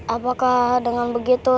apakah dengan begitu